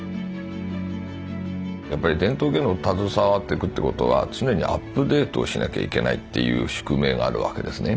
やっぱり伝統芸能に携わっていくということは常にアップデートをしなきゃいけないっていう宿命があるわけですね。